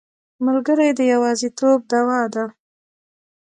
ملګری د یوازیتوب دوا ده.